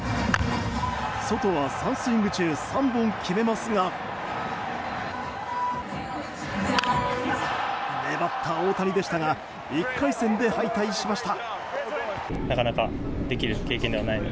ソトは３スイング中３本決めますが粘った大谷でしたが１回戦で敗退しました。